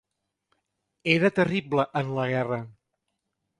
Era terrible en la guerra.